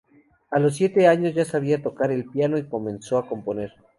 A los siete años ya sabía tocar el piano y comenzó a componer.